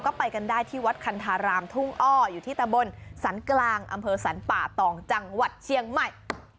ก็ไปกันได้ที่วัดคันธารามทุ่งอ้ออยู่ที่ตะบนสรรกลางอำเภอสรรป่าตองจังหวัดเชียงใหม่